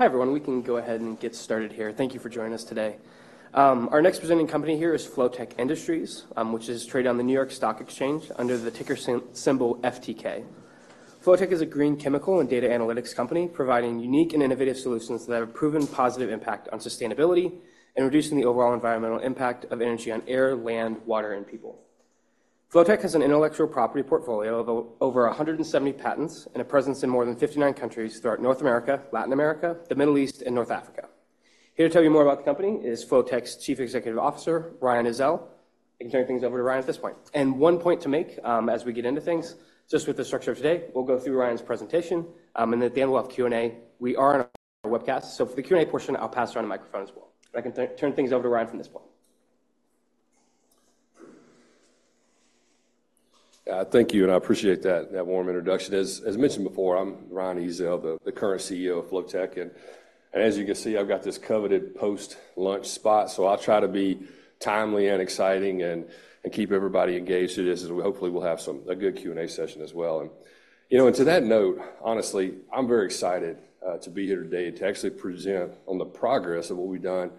Hi, everyone. We can go ahead and get started here. Thank you for joining us today. Our next presenting company here is Flotek Industries, which is traded on the New York Stock Exchange under the ticker symbol FTK. Flotek is a green chemical and data analytics company providing unique and innovative solutions that have proven positive impact on sustainability and reducing the overall environmental impact of energy on air, land, water, and people. Flotek has an intellectual property portfolio of over 170 patents and a presence in more than 59 countries throughout North America, Latin America, the Middle East, and North Africa. Here to tell you more about the company is Flotek's Chief Executive Officer, Ryan Ezell. I can turn things over to Ryan at this point. One point to make, as we get into things, just with the structure of today, we'll go through Ryan's presentation, and at the end, we'll have Q&A. We are on a webcast, so for the Q&A portion, I'll pass around a microphone as well. I can turn things over to Ryan from this point. Thank you, and I appreciate that warm introduction. As mentioned before, I'm Ryan Ezell, the current CEO of Flotek. As you can see, I've got this coveted post-lunch spot, so I'll try to be timely and exciting and keep everybody engaged through this, and hopefully, we'll have a good Q&A session as well. You know, to that note, honestly, I'm very excited to be here today to actually present on the progress of what we've done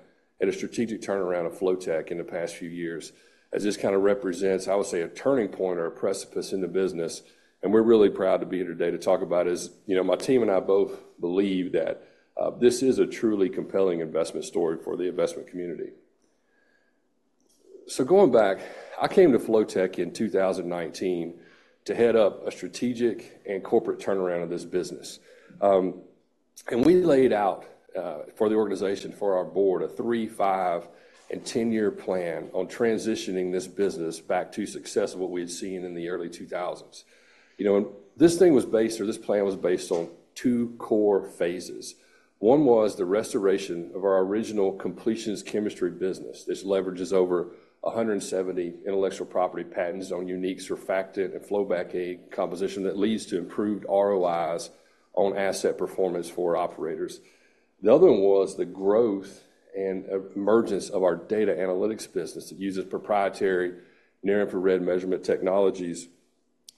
at a strategic turnaround of Flotek in the past few years, as this kinda represents, I would say, a turning point or a precipice in the business. We're really proud to be here today to talk about is. You know, my team and I both believe that this is a truly compelling investment story for the investment community. So going back, I came to Flotek in two thousand and nineteen to head up a strategic and corporate turnaround of this business. And we laid out, for the organization, for our board, a three, five, and 10-year plan on transitioning this business back to success of what we had seen in the early two thousands. You know, and this thing was based, or this plan was based on two core phases. One was the restoration of our original completions chemistry business. This leverages over 170 intellectual property patents on unique surfactant and flowback aid composition that leads to improved ROIs on asset performance for operators. The other one was the growth and emergence of our data analytics business that uses proprietary near-infrared measurement technologies,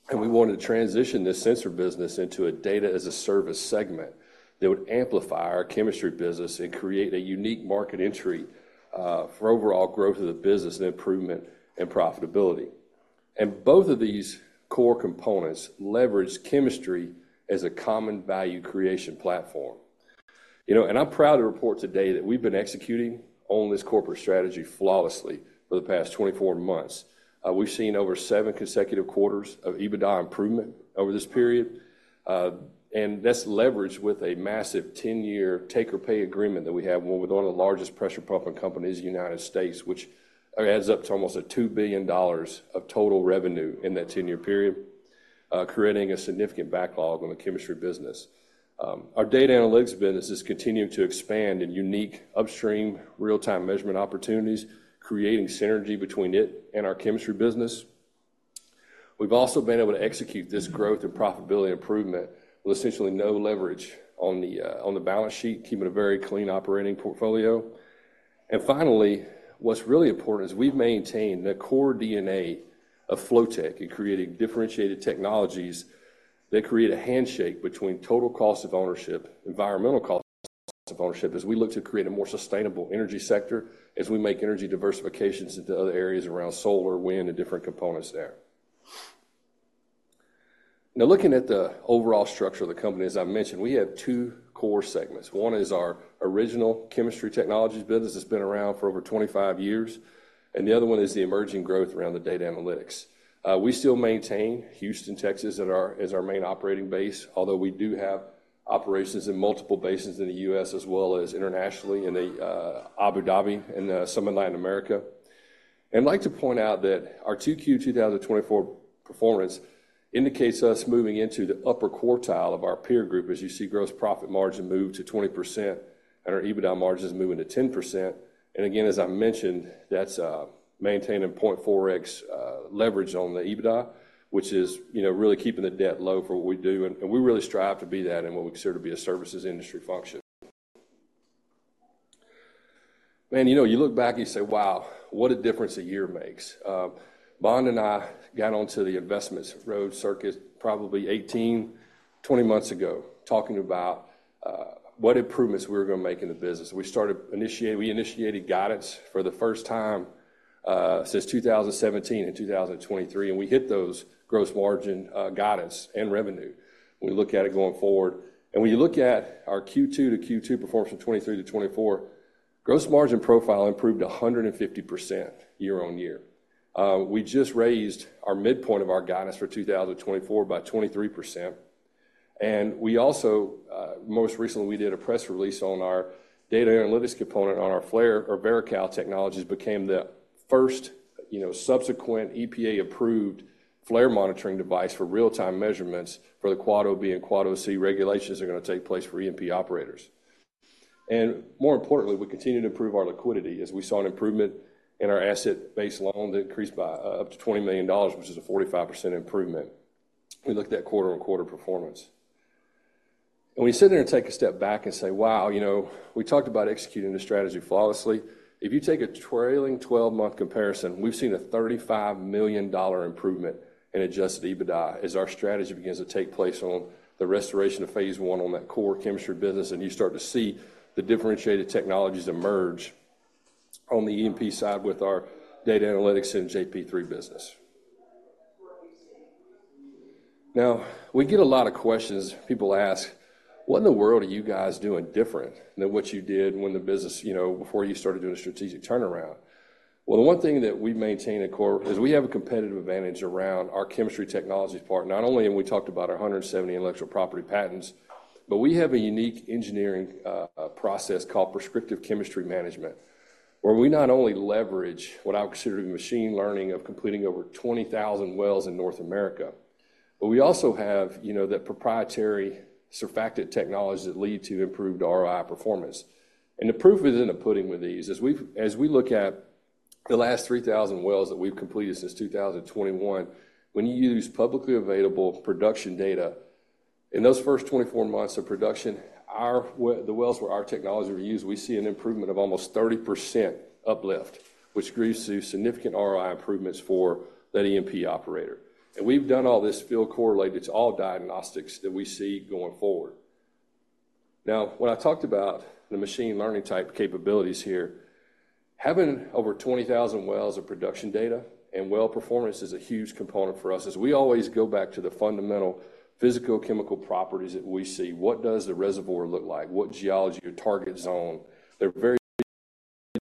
and we wanted to transition this sensor business into a data-as-a-service segment that would amplify our chemistry business and create a unique market entry for overall growth of the business and improvement in profitability, and both of these core components leverage chemistry as a common value creation platform. You know, and I'm proud to report today that we've been executing on this corporate strategy flawlessly for the past 24 months. We've seen over seven consecutive quarters of EBITDA improvement over this period, and that's leveraged with a massive ten-year take or pay agreement that we have with one of the largest pressure pumping companies in the United States, which adds up to almost $2 billion of total revenue in that ten-year period, creating a significant backlog on the chemistry business. Our data analytics business is continuing to expand in unique upstream, real-time measurement opportunities, creating synergy between it and our chemistry business. We've also been able to execute this growth and profitability improvement with essentially no leverage on the balance sheet, keeping a very clean operating portfolio. Finally, what's really important is we've maintained the core DNA of Flotek in creating differentiated technologies that create a handshake between total cost of ownership, environmental cost of ownership, as we look to create a more sustainable energy sector, as we make energy diversifications into other areas around solar, wind, and different components there. Now, looking at the overall structure of the company, as I mentioned, we have two core segments. One is our original chemistry technologies business that's been around for over 25 years, and the other one is the emerging growth around the data analytics. We still maintain Houston, Texas, as our main operating base, although we do have operations in multiple bases in the U.S. as well as internationally in the Abu Dhabi and some in Latin America. I'd like to point out that our 2Q 2024 performance indicates us moving into the upper quartile of our peer group, as you see gross profit margin move to 20% and our EBITDA margin is moving to 10%. And again, as I mentioned, that's maintaining 0.4x leverage on the EBITDA, which is, you know, really keeping the debt low for what we do, and we really strive to be that in what we consider to be a services industry function. Man, you know, you look back, and you say, "Wow, what a difference a year makes." Bond and I got onto the investments road circuit probably 18-20 months ago, talking about what improvements we were gonna make in the business. We initiated guidance for the first time since 2017 and 2023, and we hit those gross margin guidance and revenue. We look at it going forward, and when you look at our Q2 to Q2 performance from 2023 to 2024, gross margin profile improved 150% year on year. We just raised our midpoint of our guidance for 2024 by 23%, and we also... Most recently, we did a press release on our data analytics component on our flare, our VeriCal technologies became the first, you know, subsequent EPA-approved flare monitoring device for real-time measurements for the OOOb and OOOc regulations are gonna take place for E&P operators. More importantly, we continue to improve our liquidity as we saw an improvement in our asset-based loan that increased by up to $20 million, which is a 45% improvement. We looked at that quarter-on-quarter performance. We sit there and take a step back and say: Wow, you know, we talked about executing the strategy flawlessly. If you take a trailing twelve-month comparison, we've seen a $35 million improvement in adjusted EBITDA as our strategy begins to take place on the restoration of phase one on that core chemistry business, and you start to see the differentiated technologies emerge... on the E&P side with our data analytics and JP3 business. Now, we get a lot of questions. People ask, "What in the world are you guys doing different than what you did when the business, you know, before you started doing a strategic turnaround?" Well, the one thing that we maintain at core is we have a competitive advantage around our chemistry technologies part. Not only have we talked about our 170 intellectual property patents, but we have a unique engineering process called Prescriptive Chemistry Management, where we not only leverage what I would consider to be machine learning of completing over 20,000 wells in North America, but we also have, you know, that proprietary surfactant technology that lead to improved ROI performance. And the proof is in the pudding with these. As we look at the last 3,000 wells that we've completed since 2021, when you use publicly available production data, in those first 24 months of production, the wells where our technology were used, we see an improvement of almost 30% uplift, which creates the significant ROI improvements for that E&P operator, and we've done all this field correlated to all diagnostics that we see going forward. Now, when I talked about the machine learning type capabilities here, having over 20,000 wells of production data and well performance is a huge component for us, as we always go back to the fundamental physical, chemical properties that we see. What does the reservoir look like? What geology or target zone? They're very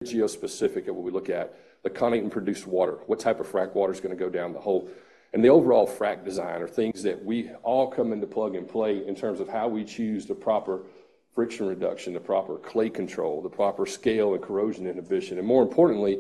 geospecific at what we look at. The cuttings and produced water, what type of frac water is gonna go down the hole? And the overall frac design are things that we all come into plug and play in terms of how we choose the proper friction reduction, the proper clay control, the proper scale and corrosion inhibition, and more importantly,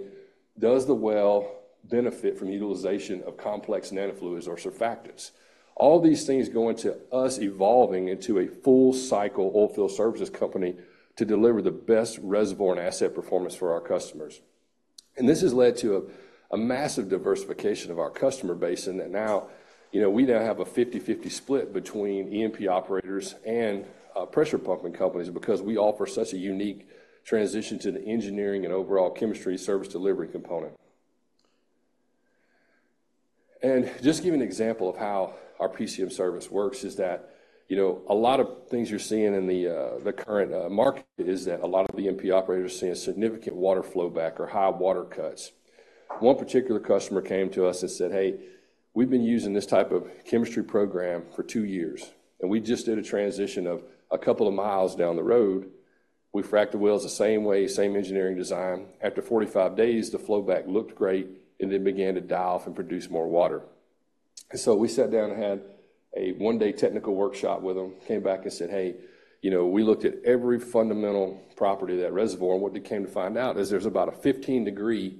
does the well benefit from utilization of complex nanofluids or surfactants? All these things go into us evolving into a full cycle oil field services company to deliver the best reservoir and asset performance for our customers. And this has led to a massive diversification of our customer base, and that now, you know, we now have a fifty-fifty split between E&P operators and pressure pumping companies because we offer such a unique transition to the engineering and overall chemistry service delivery component. And just to give you an example of how our PCM service works is that, you know, a lot of things you're seeing in the current market is that a lot of E&P operators are seeing a significant water flowback or high water cuts. One particular customer came to us and said, "Hey, we've been using this type of chemistry program for two years, and we just did a transition of a couple of miles down the road. We fracked the wells the same way, same engineering design. After 45 days, the flowback looked great and then began to die off and produce more water." So we sat down and had a one-day technical workshop with them, came back and said, "Hey, you know, we looked at every fundamental property of that reservoir, and what we came to find out is there's about a 15-degree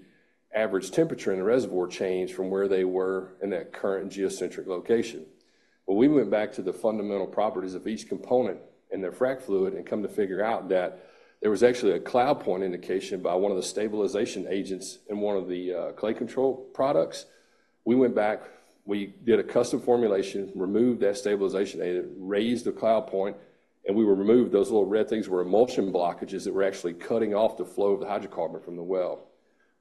average temperature in the reservoir change from where they were in that current geologic location." But we went back to the fundamental properties of each component in their frac fluid and come to figure out that there was actually a cloud point indication by one of the stabilization agents in one of the clay control products. We went back, we did a custom formulation, removed that stabilization agent, raised the cloud point, and we removed. Those little red things were emulsion blockages that were actually cutting off the flow of the hydrocarbon from the well.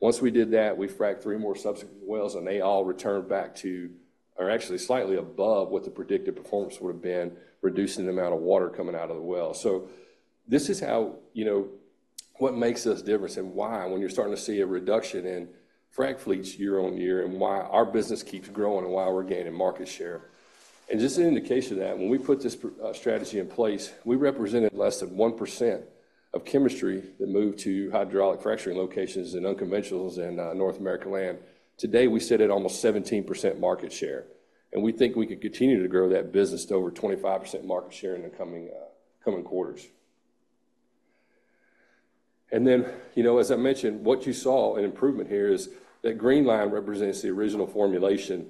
Once we did that, we fracked three more subsequent wells, and they all returned back to or actually slightly above what the predicted performance would have been, reducing the amount of water coming out of the well. So this is how, you know, what makes us different and why when you're starting to see a reduction in frac fleets year on year and why our business keeps growing and why we're gaining market share. And just an indication of that, when we put this strategy in place, we represented less than 1% of chemistry that moved to hydraulic fracturing locations and unconventional in North America land. Today, we sit at almost 17% market share, and we think we could continue to grow that business to over 25% market share in the coming quarters. And then, you know, as I mentioned, what you saw an improvement here is that green line represents the original formulation,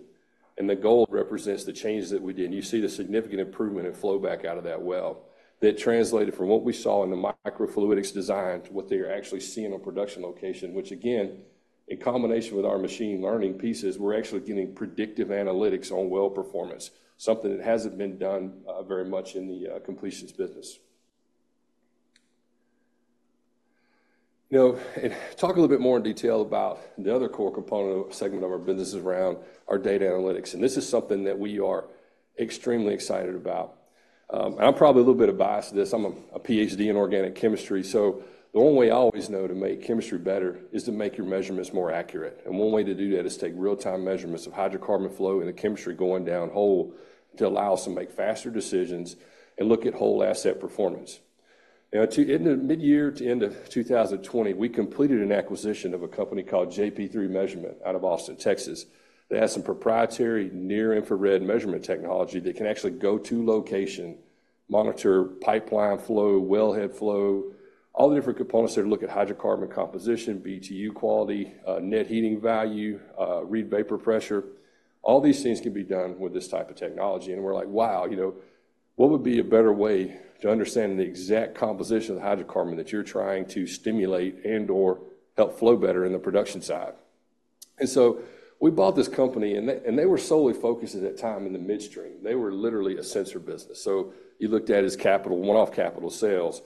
and the gold represents the changes that we did. And you see the significant improvement in flow back out of that well. That translated from what we saw in the microfluidics design to what they're actually seeing on production location, which again, in combination with our machine learning pieces, we're actually getting predictive analytics on well performance, something that hasn't been done very much in the completions business. You know, and talk a little bit more in detail about the other core component segment of our business is around our data analytics, and this is something that we are extremely excited about. And I'm probably a little bit biased to this. I'm a PhD in organic chemistry, so the only way I always know to make chemistry better is to make your measurements more accurate. And one way to do that is take real-time measurements of hydrocarbon flow and the chemistry going downhole to allow us to make faster decisions and look at whole asset performance. Now, to In the mid-year to end of 2020, we completed an acquisition of a company called JP3 Measurement out of Austin, Texas, that has some proprietary near-infrared measurement technology that can actually go to location, monitor pipeline flow, wellhead flow, all the different components that look at hydrocarbon composition, BTU quality, net heating value, Reid vapor pressure. All these things can be done with this type of technology, and we're like, wow, you know, what would be a better way to understand the exact composition of the hydrocarbon that you're trying to stimulate and/or help flow better in the production side? And so we bought this company, and they were solely focused at that time in the midstream. They were literally a sensor business. So you looked at it as capital, one-off capital sales.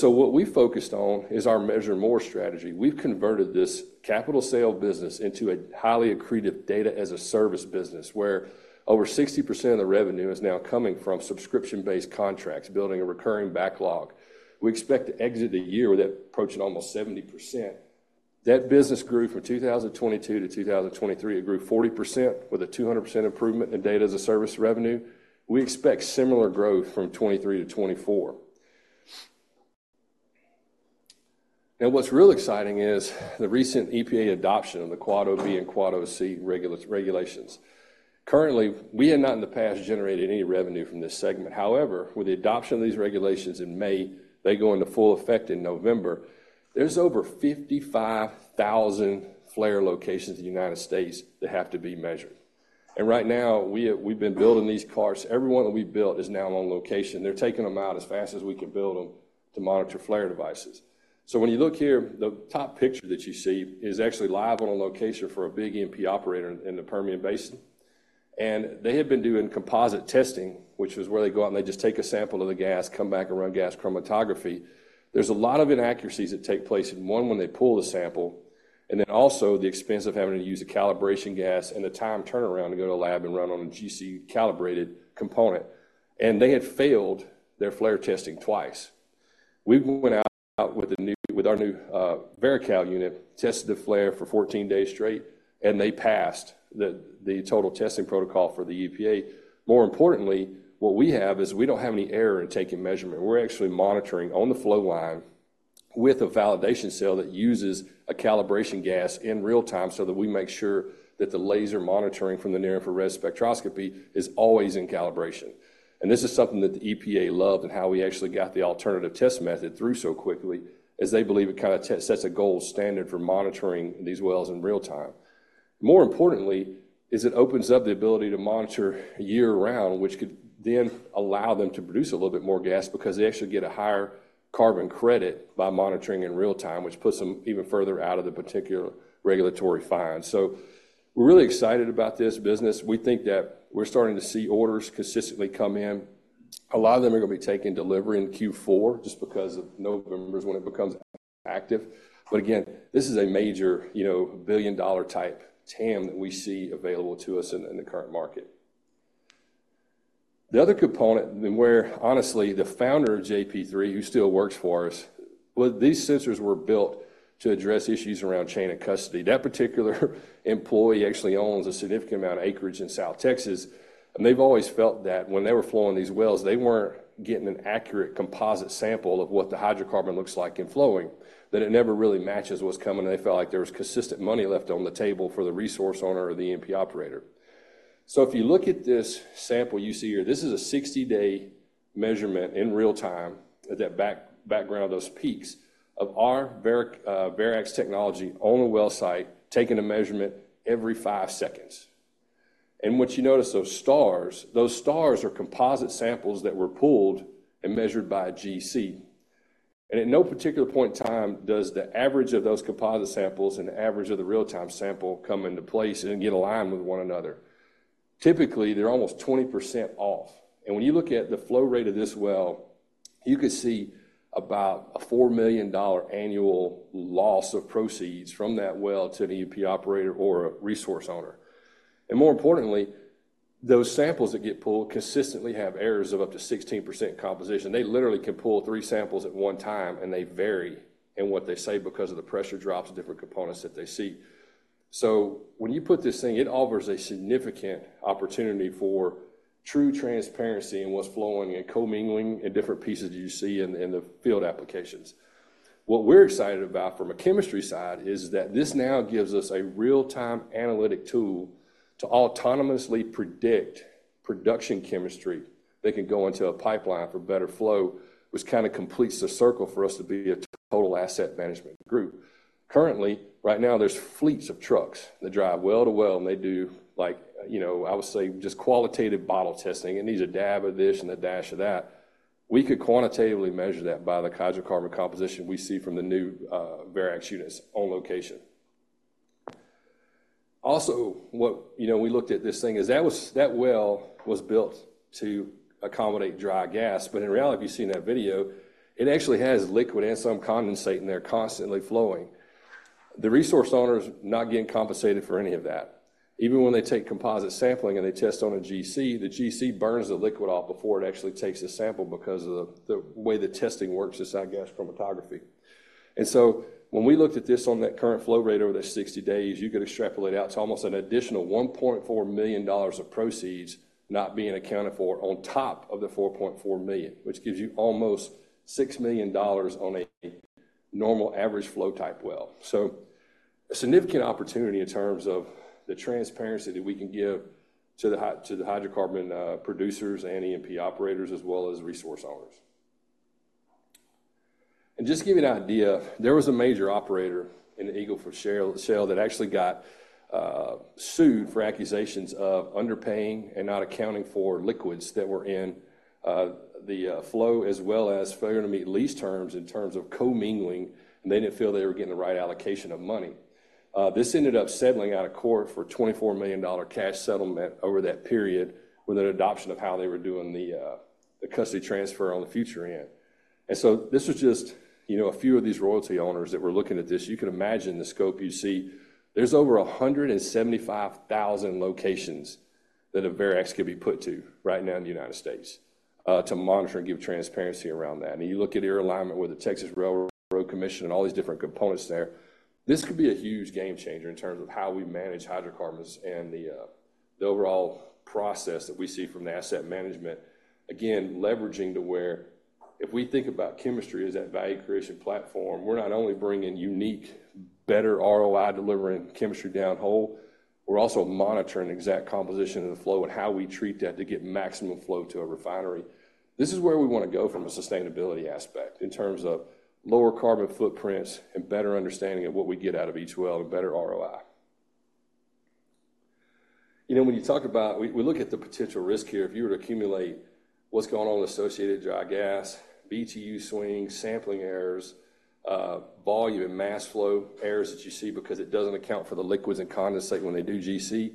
What we focused on is our MeasureMore strategy. We've converted this capital sale business into a highly accretive data as a service business, where over 60% of the revenue is now coming from subscription-based contracts, building a recurring backlog. We expect to exit the year with that approaching almost 70%. That business grew from 2022 to 2023. It grew 40% with a 200% improvement in data as a service revenue. We expect similar growth from 2023 to 2024. Now, what's really exciting is the recent EPA adoption of the OOOb and OOOc regulations. Currently, we had not in the past generated any revenue from this segment. However, with the adoption of these regulations in May, they go into full effect in November. There's over 55,000 flare locations in the United States that have to be measured, and right now, we have. We've been building these carts. Every one that we've built is now on location. They're taking them out as fast as we can build them to monitor flare devices. So when you look here, the top picture that you see is actually live on a location for a big E&P operator in the Permian Basin. And they had been doing composite testing, which is where they go out, and they just take a sample of the gas, come back and run gas chromatography. There's a lot of inaccuracies that take place in one when they pull the sample, and then also the expense of having to use a calibration gas and the time turnaround to go to a lab and run on a GC calibrated component. They had failed their flare testing twice. We went out with our new VeriCal unit, tested the flare for 14 days straight, and they passed the total testing protocol for the EPA. More importantly, what we have is we don't have any error in taking measurement. We're actually monitoring on the flow line with a validation cell that uses a calibration gas in real time so that we make sure that the laser monitoring from the near-infrared spectroscopy is always in calibration. This is something that the EPA loved and how we actually got the alternative test method through so quickly, as they believe it kinda sets a gold standard for monitoring these wells in real time. More importantly, it opens up the ability to monitor year-round, which could then allow them to produce a little bit more gas because they actually get a higher carbon credit by monitoring in real time, which puts them even further out of the particular regulatory fines. So we're really excited about this business. We think that we're starting to see orders consistently come in. A lot of them are gonna be taking delivery in Q4 just because of November is when it becomes active. But again, this is a major, you know, billion-dollar type TAM that we see available to us in the current market. The other component, and where, honestly, the founder of JP3, who still works for us. Well, these sensors were built to address issues around chain of custody. That particular employee actually owns a significant amount of acreage in South Texas, and they've always felt that when they were flowing these wells, they weren't getting an accurate composite sample of what the hydrocarbon looks like in flowing, that it never really matches what's coming, and they felt like there was consistent money left on the table for the resource owner or the E&P operator. If you look at this sample you see here, this is a 60-day measurement in real time, that background, those peaks of our Verax technology on the well site, taking a measurement every five seconds. And what you notice, those stars, those stars are composite samples that were pulled and measured by a GC. At no particular point in time does the average of those composite samples and the average of the real-time sample come into place and get aligned with one another. Typically, they're almost 20% off. When you look at the flow rate of this well, you could see about a $4 million annual loss of proceeds from that well to an E&P operator or a resource owner. More importantly, those samples that get pulled consistently have errors of up to 16% composition. They literally can pull three samples at one time, and they vary in what they say because of the pressure drops of different components that they see. So when you put this thing, it offers a significant opportunity for true transparency in what's flowing and co-mingling in different pieces you see in the field applications. What we're excited about from a chemistry side is that this now gives us a real-time analytic tool to autonomously predict production chemistry that can go into a pipeline for better flow, which kinda completes the circle for us to be a total asset management group. Currently, right now, there's fleets of trucks that drive well to well, and they do like, you know, I would say just qualitative bottle testing. It needs a dab of this and a dash of that. We could quantitatively measure that by the hydrocarbon composition we see from the new Verax units on location. Also, you know, we looked at this thing as that well was built to accommodate dry gas. But in reality, if you've seen that video, it actually has liquid and some condensate in there constantly flowing. The resource owner is not getting compensated for any of that. Even when they take composite sampling and they test on a GC, the GC burns the liquid off before it actually takes a sample because of the way the testing works, this, I guess, chromatography. So when we looked at this on that current flow rate over the 60 days, you could extrapolate out to almost an additional $1.4 million of proceeds not being accounted for on top of the $4.4 million, which gives you almost $6 million on a normal, average flow-type well. So a significant opportunity in terms of the transparency that we can give to the hy-- to the hydrocarbon producers and E&P operators, as well as resource owners. And just to give you an idea, there was a major operator in the Eagle Ford Shale that actually got sued for accusations of underpaying and not accounting for liquids that were in the flow, as well as failure to meet lease terms in terms of co-mingling, and they didn't feel they were getting the right allocation of money. This ended up settling out of court for a $24 million cash settlement over that period with an adoption of how they were doing the custody transfer on the future end. And so this was just, you know, a few of these royalty owners that were looking at this. You can imagine the scope you see. There's over 175,000 locations-... that a Verax could be put to right now in the United States, to monitor and give transparency around that. And you look at your alignment with the Texas Railroad Commission and all these different components there, this could be a huge game changer in terms of how we manage hydrocarbons and the overall process that we see from the asset management. Again, leveraging to where if we think about chemistry as that value creation platform, we're not only bringing unique, better ROI-delivering chemistry downhole, we're also monitoring the exact composition of the flow and how we treat that to get maximum flow to a refinery. This is where we wanna go from a sustainability aspect in terms of lower carbon footprints and better understanding of what we get out of each well, a better ROI. You know, when you talk about... We look at the potential risk here. If you were to accumulate what's going on with associated dry gas, BTU swings, sampling errors, volume and mass flow errors that you see because it doesn't account for the liquids and condensate when they do GC,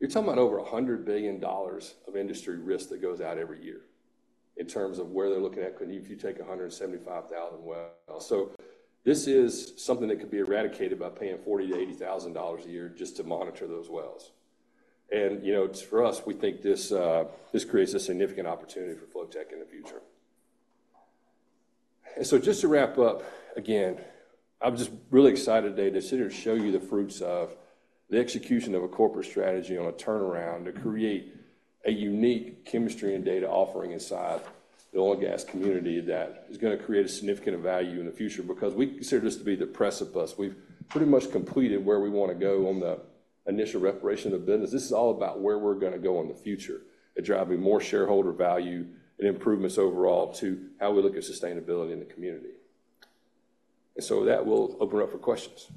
you're talking about over $100 billion of industry risk that goes out every year in terms of where they're looking at, if you take 175,000 wells. So this is something that could be eradicated by paying $40,000-$80,000 a year just to monitor those wells. And you know, for us, we think this creates a significant opportunity for Flotek in the future. So just to wrap up, again, I'm just really excited today to sit here to show you the fruits of the execution of a corporate strategy on a turnaround to create a unique chemistry and data offering inside the oil and gas community that is gonna create a significant value in the future because we consider this to be the precipice. We've pretty much completed where we wanna go on the initial reparation of business. This is all about where we're gonna go in the future and driving more shareholder value and improvements overall to how we look at sustainability in the community. And so that will open up for questions.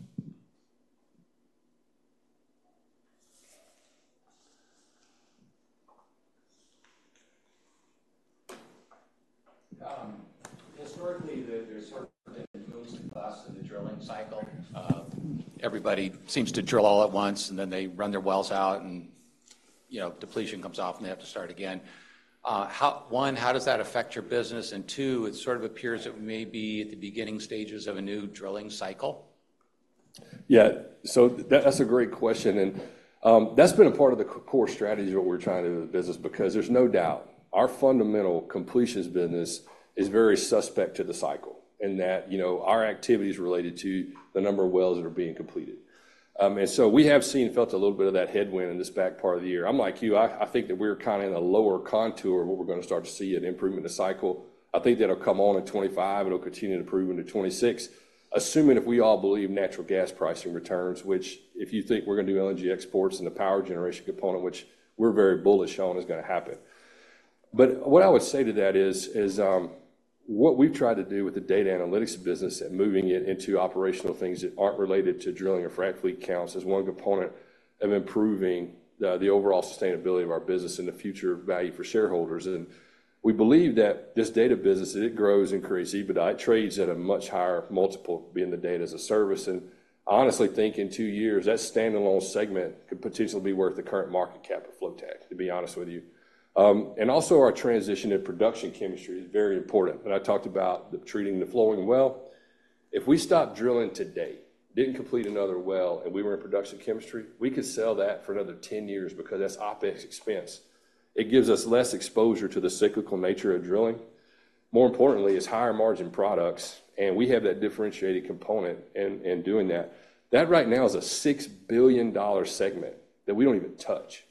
Historically, there's been moves in the class of the drilling cycle. Everybody seems to drill all at once, and then they run their wells out and, you know, depletion comes off, and they have to start again. One, how does that affect your business? And two, it sort of appears that we may be at the beginning stages of a new drilling cycle. Yeah, so that's a great question, and that's been a part of the core strategy of what we're trying to do in the business because there's no doubt our fundamental completions business is very suspect to the cycle in that, you know, our activity is related to the number of wells that are being completed. And so we have seen and felt a little bit of that headwind in this back part of the year. I'm like you, I think that we're kind a in a lower contour of what we're gonna start to see an improvement in the cycle. I think that'll come on in 2025, it'll continue to improve into 2026, assuming if we all believe natural gas pricing returns, which if you think we're gonna do LNG exports and the power generation component, which we're very bullish on, is gonna happen. But what I would say to that is what we've tried to do with the data analytics business and moving it into operational things that aren't related to drilling or frac fleet counts is one component of improving the overall sustainability of our business and the future value for shareholders. And we believe that this data business, it grows, increases, EBITDA trades at a much higher multiple being the data as a service. And I honestly think in two years, that standalone segment could potentially be worth the current market cap of Flotek, to be honest with you. And also our transition in production chemistry is very important, and I talked about the treating the flowing well. If we stopped drilling today, didn't complete another well, and we were in production chemistry, we could sell that for another ten years because that's OPEX expense. It gives us less exposure to the cyclical nature of drilling. More importantly, it's higher margin products, and we have that differentiated component in doing that. That right now is a $6 billion segment that we don't even touch.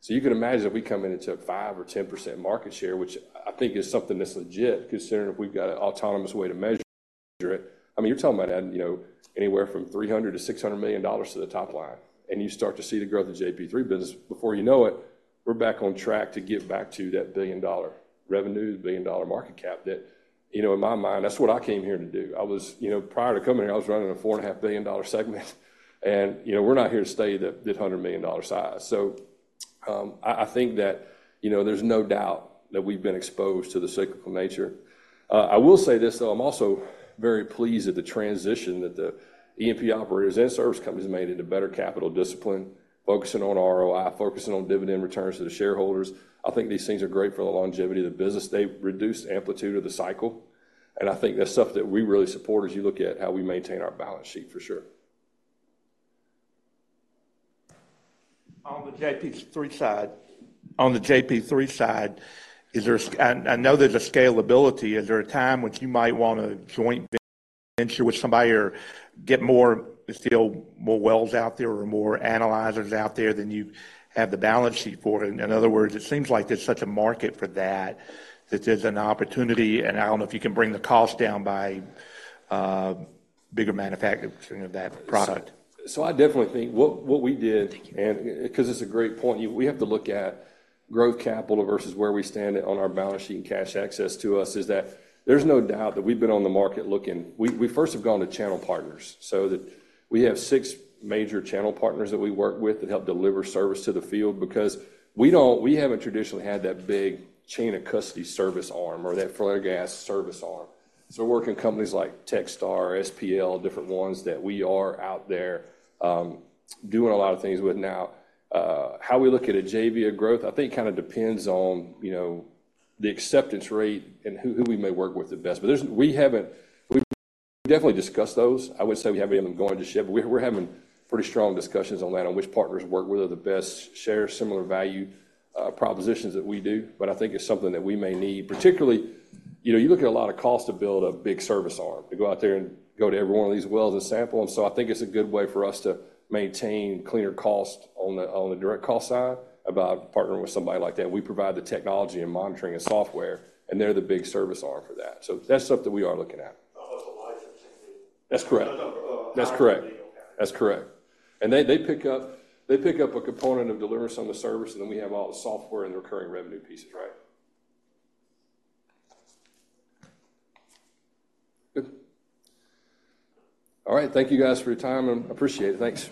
So you can imagine if we come in and took 5% or 10% market share, which I think is something that's legit, considering if we've got an autonomous way to measure it. I mean, you're talking about adding, you know, anywhere from $300 million to $600 million to the top line, and you start to see the growth of JP3 business. Before you know it, we're back on track to get back to that $1 billion revenue, $1 billion market cap, that, you know, in my mind, that's what I came here to do. I was... You know, prior to coming here, I was running a $4.5 billion segment, and, you know, we're not here to stay at the $100 million size. So, I think that, you know, there's no doubt that we've been exposed to the cyclical nature. I will say this, though. I'm also very pleased at the transition that the E&P operators and service companies made into better capital discipline, focusing on ROI, focusing on dividend returns to the shareholders. I think these things are great for the longevity of the business. They reduce the amplitude of the cycle, and I think that's something that we really support as you look at how we maintain our balance sheet, for sure. On the JP3 side, is there a scalability? I know there's a scalability. Is there a time which you might wanna joint venture with somebody or get more, scale more wells out there or more analyzers out there than you have the balance sheet for? In other words, it seems like there's such a market for that, that there's an opportunity, and I don't know if you can bring the cost down by bigger manufacturing of that product. So I definitely think what we did Thank you. and 'cause it's a great point, we have to look at growth capital versus where we stand on our balance sheet and cash access to us is that there's no doubt that we've been on the market looking. We first have gone to channel partners so that we have six major channel partners that we work with that help deliver service to the field because we don't, we haven't traditionally had that big chain of custody service arm or that flare gas service arm. So we're working with companies like TechStar, SPL, different ones that we are out there doing a lot of things with now. How we look at a JV of growth, I think kind of depends on, you know, the acceptance rate and who we may work with the best. But there's. We haven't. We've definitely discussed those. I wouldn't say we have anything going just yet, but we're having pretty strong discussions on that, on which partners work, whether the best share similar value propositions that we do. But I think it's something that we may need, particularly, you know, you look at a lot of cost to build a big service arm, to go out there and go to every one of these wells and sample them. So I think it's a good way for us to maintain cleaner cost on the direct cost side about partnering with somebody like that. We provide the technology and monitoring and software, and they're the big service arm for that. So that's something we are looking at. That's correct. That's correct. And they pick up a component of delivery on the service, and then we have all the software and the recurring revenue pieces, right? Good. All right. Thank you, guys, for your time. I appreciate it. Thanks.